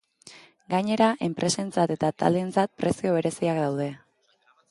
Gainera, enpresentzat eta taldeentzat prezio bereziak daude.